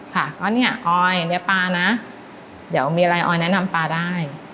ค่ะว่าเนี่ยออยอันนี้ปลานะเดี๋ยวมีอะไรออยแนะนำปลาได้